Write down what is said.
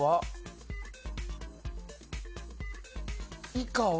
以下は。